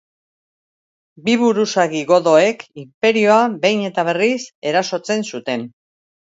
Bi buruzagi godoek inperioa behin eta berriz erasotzen zuten.